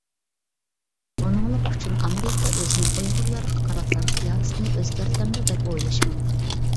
ئۇنىڭلىق ئۈچۈن ئامېرىكا ئۆزىنىڭ ئۇيغۇرلارغا قاراتقان سىياسىتىنى ئۆزگەرتەمدۇ، دەپ ئويلىشى مۇمكىن.